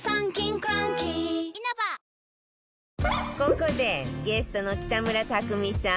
ここでゲストの北村匠海さん